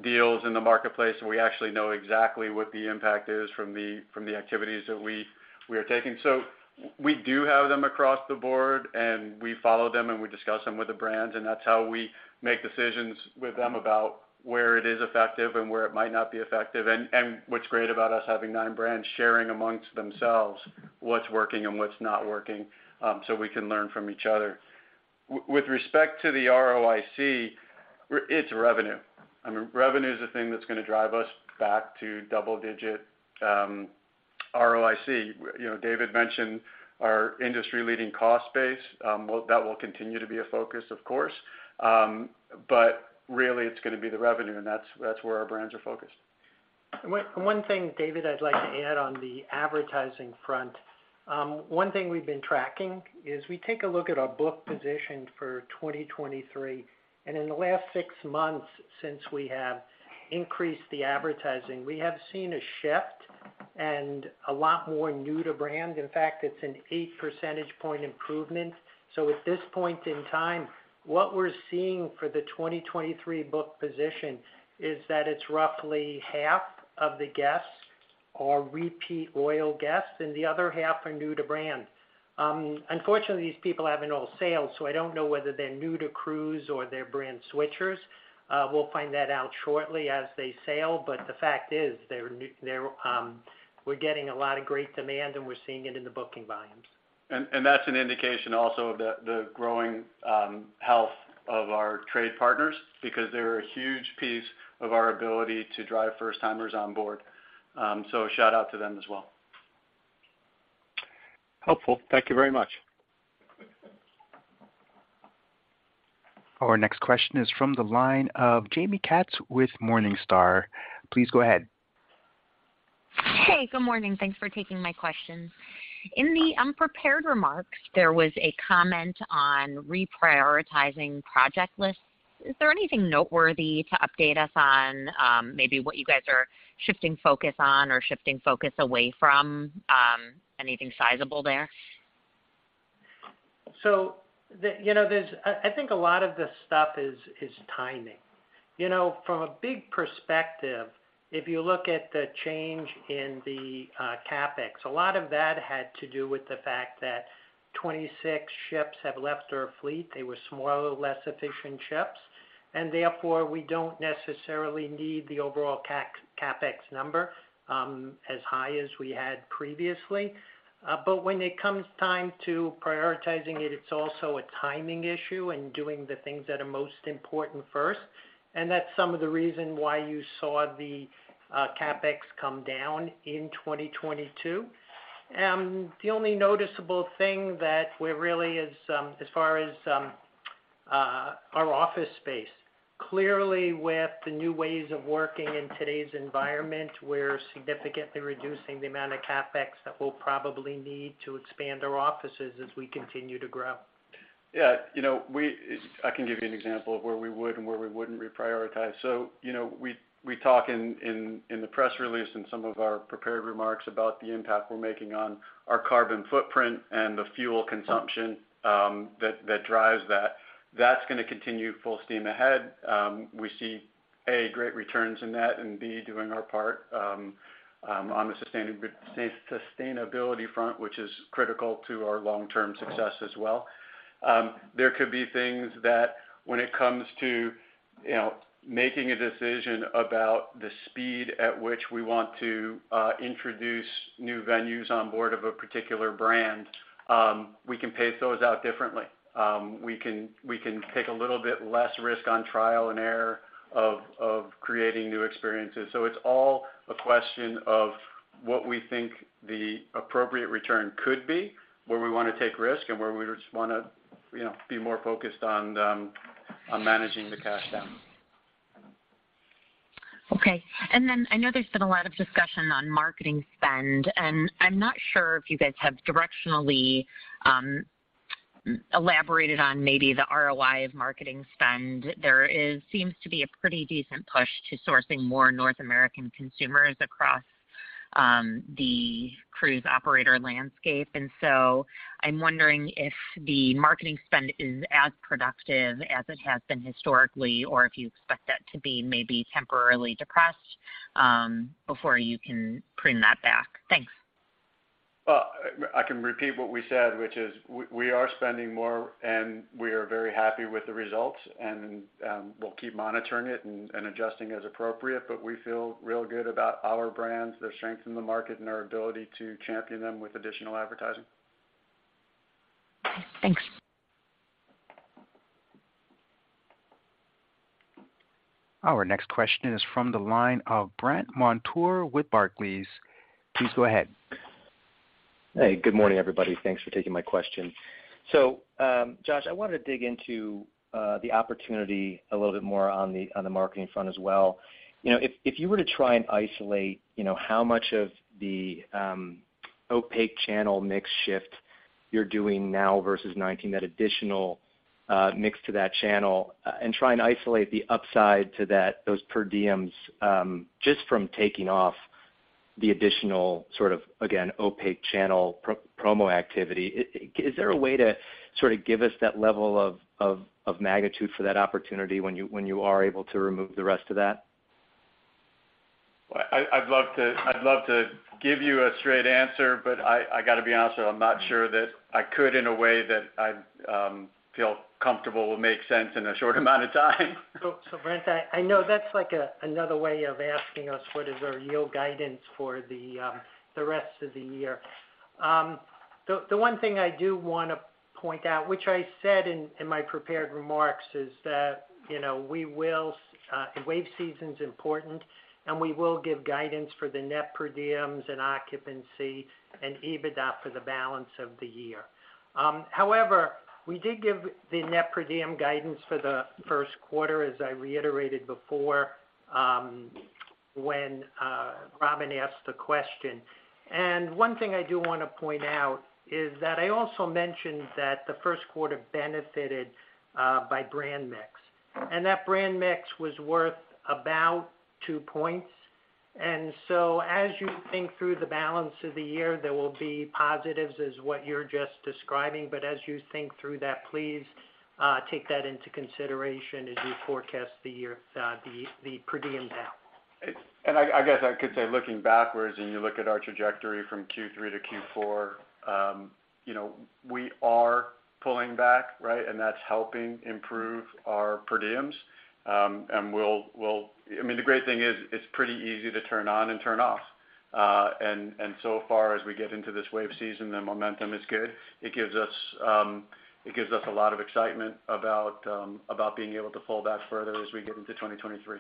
deals in the marketplace, we actually know exactly what the impact is from the activities that we are taking. We do have them across the board, we follow them, we discuss them with the brands, that's how we make decisions with them about where it is effective and where it might not be effective. What's great about us having nine brands sharing amongst themselves what's working and what's not working, we can learn from each other. With respect to the ROIC, it's revenue. I mean, revenue is the thing that's gonna drive us back to double digit ROIC. You know, David mentioned our industry-leading cost base. Well, that will continue to be a focus of course. Really it's gonna be the revenue, and that's where our brands are focused. One thing, David, I'd like to add on the advertising front. One thing we've been tracking is we take a look at our book position for 2023, and in the last six months since we have increased the advertising, we have seen a shift and a lot more new to brand. In fact, it's an 8% point improvement. At this point in time, what we're seeing for the 2023 book position is that it's roughly half of the guests are repeat loyal guests, and the other half are new to brand. Unfortunately, these people haven't all sailed, so I don't know whether they're new to cruise or they're brand switchers. We'll find that out shortly as they sail, the fact is they're new, they're getting a lot of great demand, and we're seeing it in the booking volumes. That's an indication also of the growing health of our trade partners because they're a huge piece of our ability to drive first-timers on board. Shout out to them as well. Helpful. Thank you very much. Our next question is from the line of Jaime Katz with Morningstar. Please go ahead. Hey, good morning. Thanks for taking my questions. In the unprepared remarks, there was a comment on reprioritizing project lists. Is there anything noteworthy to update us on, maybe what you guys are shifting focus on or shifting focus away from? Anything sizable there? I think a lot of this stuff is timing. From a big perspective, if you look at the change in the CapEx, a lot of that had to do with the fact that 26 ships have left our fleet. They were smaller, less efficient ships, and therefore we don't necessarily need the overall CapEx number as high as we had previously. When it comes time to prioritizing it's also a timing issue and doing the things that are most important first. That's some of the reason why you saw the CapEx come down in 2022. The only noticeable thing that we're really is as far as our office space. Clearly, with the new ways of working in today's environment, we're significantly reducing the amount of CapEx that we'll probably need to expand our offices as we continue to grow. You know, I can give you an example of where we would and where we wouldn't reprioritize. You know, we talk in the press release and some of our prepared remarks about the impact we're making on our carbon footprint and the fuel consumption that drives that. That's gonna continue full steam ahead. We see, A, great returns in that, and B, doing our part on the sustainability front, which is critical to our long-term success as well. There could be things that when it comes to, you know, making a decision about the speed at which we want to introduce new venues on board of a particular brand, we can pace those out differently. We can take a little bit less risk on trial and error of creating new experiences. It's all a question of what we think the appropriate return could be, where we wanna take risk and where we just wanna, you know, be more focused on managing the cash down. Okay. I know there's been a lot of discussion on marketing spend, and I'm not sure if you guys have directionally elaborated on maybe the ROI of marketing spend. There seems to be a pretty decent push to sourcing more North American consumers across the cruise operator landscape. I'm wondering if the marketing spend is as productive as it has been historically, or if you expect that to be maybe temporarily depressed before you can bring that back. Thanks. Well, I can repeat what we said, which is we are spending more. We are very happy with the results. We'll keep monitoring it and adjusting as appropriate. We feel real good about our brands, their strength in the market, and our ability to champion them with additional advertising. Okay. Thanks. Our next question is from the line of Brandt Montour with Barclays. Please go ahead. Hey, good morning, everybody. Thanks for taking my question. Josh, I wanted to dig into the opportunity a little bit more on the, on the marketing front as well. You know, if you were to try and isolate, you know, how much of the opaque channel mix shift you're doing now versus 2019, that additional mix to that channel, and try and isolate the upside to that, those per diems, just from taking off the additional sort of, again, opaque channel pro-promo activity, is there a way to sort of give us that level of, of magnitude for that opportunity when you, when you are able to remove the rest of that? Well, I'd love to give you a straight answer, but I gotta be honest with you, I'm not sure that I could in a way that I'd feel comfortable would make sense in a short amount of time. Brandt, I know that's like another way of asking us what is our yield guidance for the rest of the year. The one thing I do wanna point out, which I said in my prepared remarks, is that, you know, wave season's important, and we will give guidance for the net per diems and occupancy and EBITDA for the balance of the year. However, we did give the net per diem guidance for the first quarter, as I reiterated before, when Robin asked the question. One thing I do wanna point out is that I also mentioned that the first quarter benefited by brand mix, and that brand mix was worth about two points. As you think through the balance of the year, there will be positives as what you're just describing, but as you think through that, please take that into consideration as you forecast the year, the per diem down. I guess I could say looking backwards and you look at our trajectory from Q3 - Q4, you know, we are pulling back, right. That's helping improve our per diems. We'll I mean, the great thing is it's pretty easy to turn on and turn off. So far as we get into this wave season, the momentum is good. It gives us a lot of excitement about being able to pull back further as we get into 2023.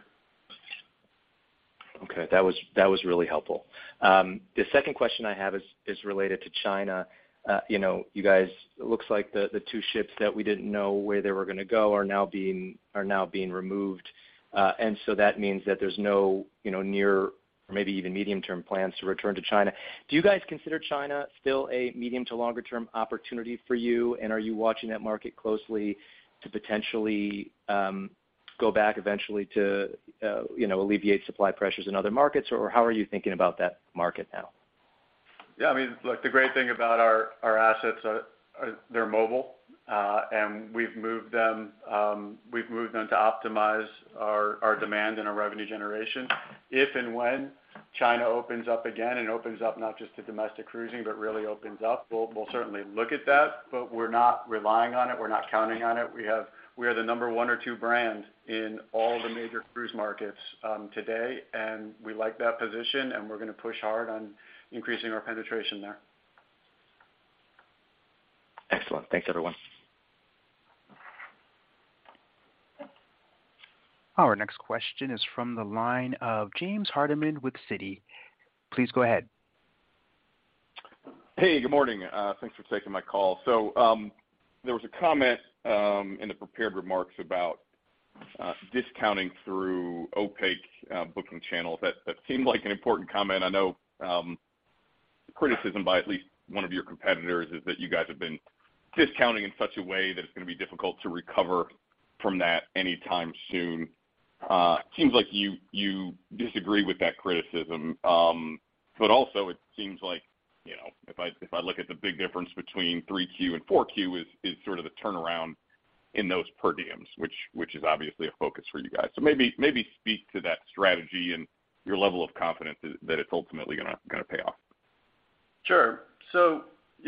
Okay. That was really helpful. The second question I have is related to China. You know, you guys, looks like the two ships that we didn't know where they were gonna go are now being removed. That means that there's no, you know, near or maybe even medium-term plans to return to China. Do you guys consider China still a medium to longer term opportunity for you? Are you watching that market closely to potentially go back eventually to, you know, alleviate supply pressures in other markets? How are you thinking about that market now? Yeah, I mean, look, the great thing about our assets are they're mobile, and we've moved them to optimize our demand and our revenue generation. If and when China opens up again and opens up not just to domestic cruising but really opens up, we'll certainly look at that, but we're not relying on it. We're not counting on it. We are the number one or two brand in all the major cruise markets today, and we like that position, and we're gonna push hard on increasing our penetration there. Excellent. Thanks, everyone. Our next question is from the line of James Hardiman with Citigroup. Please go ahead. Hey, good morning. Thanks for taking my call. There was a comment in the prepared remarks about discounting through opaque booking channels that seemed like an important comment. I know, criticism by at least one of your competitors is that you guys have been discounting in such a way that it's gonna be difficult to recover from that anytime soon. Seems like you disagree with that criticism. Also it seems like, you know, if I, if I look at the big difference between Q3 and Q4 is sort of the turnaround in those per diems which is obviously a focus for you guys. Maybe speak to that strategy and your level of confidence that it's ultimately gonna pay off. You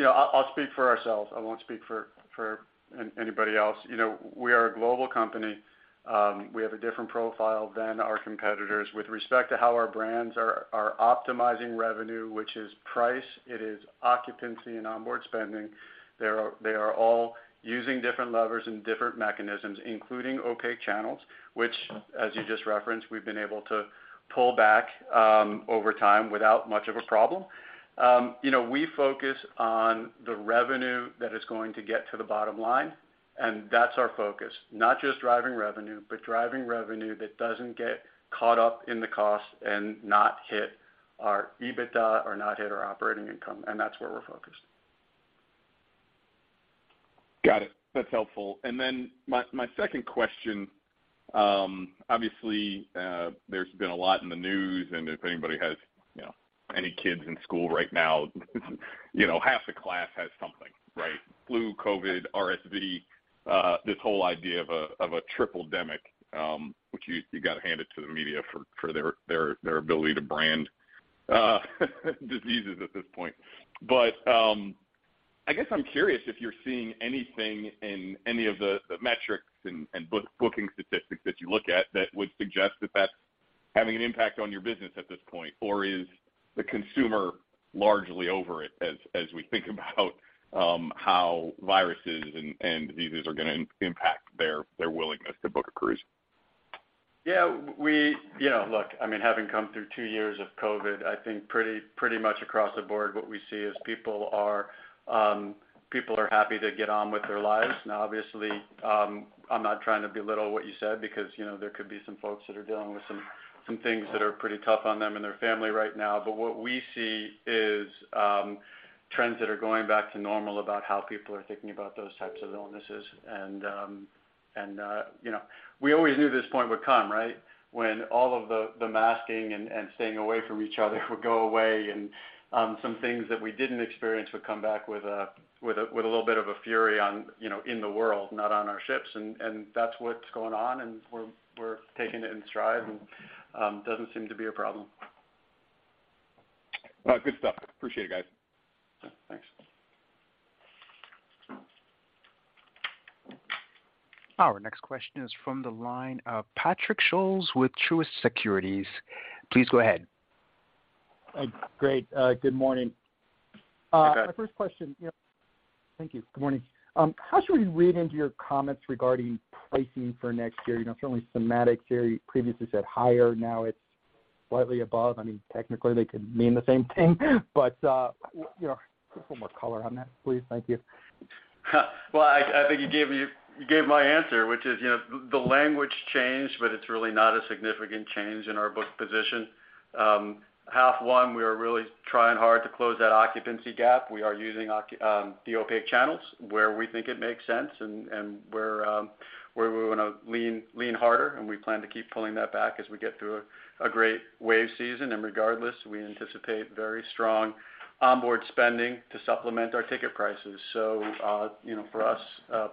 know, I'll speak for ourselves. I won't speak for anybody else. You know, we are a global company. We have a different profile than our competitors. With respect to how our brands are optimizing revenue, which is price, it is occupancy and onboard spending, they are all using different levers and different mechanisms, including opaque channels, which as you just referenced, we've been able to pull back over time without much of a problem. You know, we focus on the revenue that is going to get to the bottom line, that's our focus. Not just driving revenue, but driving revenue that doesn't get caught up in the cost and not hit our EBITDA or not hit our operating income, that's where we're focused. Got it. That's helpful. Then my second question, obviously, there's been a lot in the news, and if anybody has, you know, any kids in school right now, you know, half the class has something flu, COVID, RSV, this whole idea of a triple-demic, which you gotta hand it to the media for their ability to brand diseases at this point. I guess I'm curious if you're seeing anything in any of the metrics and booking statistics that you look at that would suggest that that's having an impact on your business at this point, or is the consumer largely over it as we think about how viruses and diseases are gonna impact their willingness to book a cruise? Yeah. You know, look, I mean, having come through two years of COVID, I think pretty much across the board what we see is people are happy to get on with their lives. Now, obviously, I'm not trying to belittle what you said because, you know, there could be some folks that are dealing with some things that are pretty tough on them and their family right now. What we see is, trends that are going back to normal about how people are thinking about those types of illnesses. You know, we always knew this point would come, right? When all of the masking and staying away from each other would go away and some things that we didn't experience would come back with a, with a, with a little bit of a fury on, you know, in the world, not on our ships. That's what's going on, and we're taking it in stride and doesn't seem to be a problem. Good stuff. Appreciate it, guys. Yeah. Thanks. Our next question is from the line of C. Patrick Scholes with Truist Securities. Please go ahead. Great. good morning. Hi, Patrick. My first question, you know. Thank you. Good morning. How should we read into your comments regarding pricing for next year? You know, certainly semantic here. You previously said higher, now it's slightly above. I mean, technically they could mean the same thing. You know, just one more color on that, please. Thank you. Well, I think you gave my answer, which is, you know, the language changed, but it's really not a significant change in our book position. Half one, we are really trying hard to close that occupancy gap. We are using the opaque channels where we think it makes sense and where we wanna lean harder, and we plan to keep pulling that back as we get through a great wave season. Regardless, we anticipate very strong onboard spending to supplement our ticket prices. You know, for us,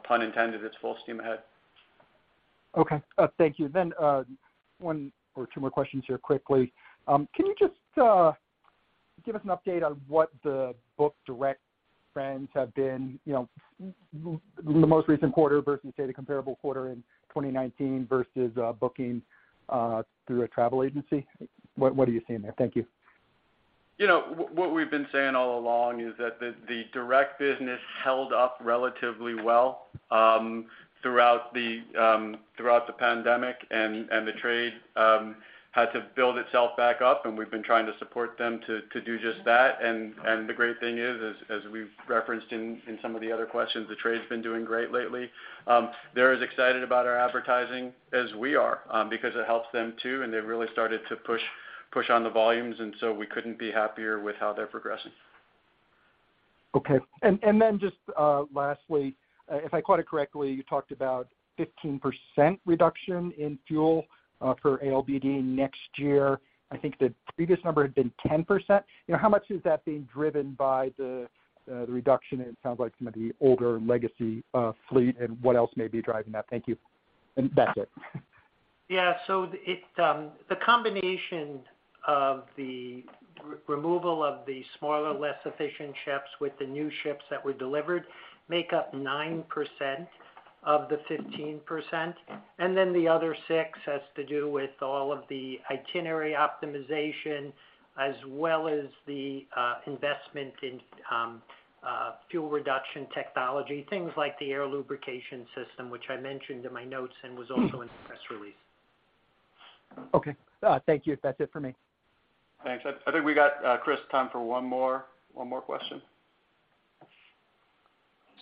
pun intended, it's full steam ahead. Okay. Thank you. one or two more questions here quickly. Can you just give us an update on what the book direct trends have been, you know, the most recent quarter versus, say, the comparable quarter in 2019 versus, booking, through a travel agency? What, what are you seeing there? Thank you. You know, what we've been saying all along is that the direct business held up relatively well throughout the pandemic. The trade had to build itself back up, and we've been trying to support them to do just that. The great thing is, as we've referenced in some of the other questions, the trade's been doing great lately. They're as excited about our advertising as we are, because it helps them too, and they've really started to push on the volumes. We couldn't be happier with how they're progressing. Okay. Just lastly, if I caught it correctly, you talked about 15% reduction in fuel for ALBD next year. I think the previous number had been 10%. You know, how much is that being driven by the reduction in, it sounds like some of the older legacy fleet, and what else may be driving that? Thank you. That's it. It, the combination of the re-removal of the smaller, less efficient ships with the new ships that were delivered make up 9% of the 15%. The other 6% has to do with all of the itinerary optimization as well as the investment in fuel reduction technology, things like the Air Lubrication System, which I mentioned in my notes and was also in the press release. Okay. Thank you. That's it for me. Thanks. I think we got, Chris, time for one more question.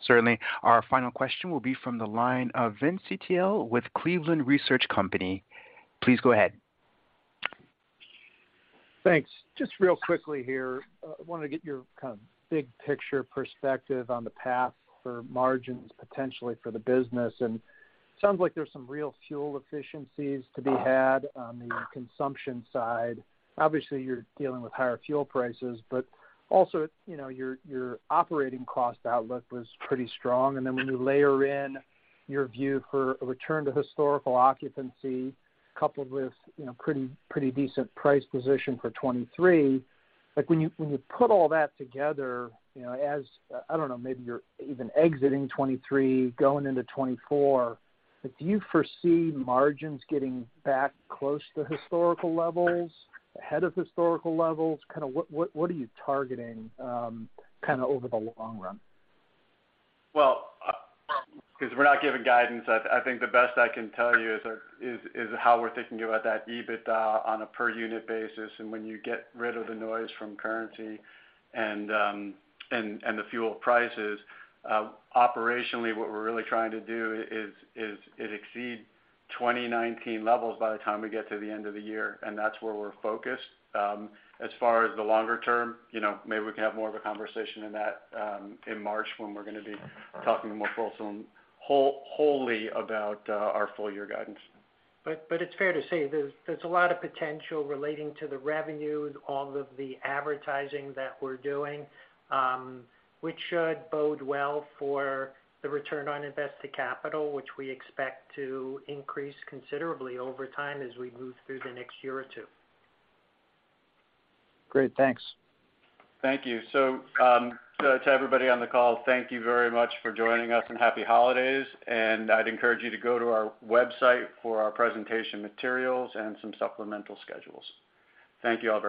Certainly. Our final question will be from the line of Vince Ciepiel with Cleveland Research Company. Please go ahead. Thanks. Just real quickly here, want to get your kind of big picture perspective on the path for margins potentially for the business. Sounds like there's some real fuel efficiencies to be had on the consumption side. Obviously, you're dealing with higher fuel prices, but also, you know, your operating cost outlook was pretty strong. When you layer in your view for a return to historical occupancy coupled with, you know, pretty decent price position for 2023, like when you, when you put all that together, you know, as, I don't know, maybe you're even exiting 2023, going into 2024, like do you foresee margins getting back close to historical levels, ahead of historical levels? What are you targeting, kinda over the long run? Well, 'cause we're not giving guidance, I think the best I can tell you is how we're thinking about that EBITDA on a per unit basis. When you get rid of the noise from currency and the fuel prices, operationally, what we're really trying to do is exceed 2019 levels by the time we get to the end of the year, and that's where we're focused. As far as the longer term, you know, maybe we can have more of a conversation in that in March when we're going to be talking more fulsome, wholly about our full year guidance. It's fair to say there's a lot of potential relating to the revenue, all of the advertising that we're doing, which should bode well for the Return on Invested Capital, which we expect to increase considerably over time as we move through the next year or two. Great. Thanks. Thank you. To everybody on the call, thank you very much for joining us and happy holidays. I'd encourage you to go to our website for our presentation materials and some supplemental schedules. Thank you all very much.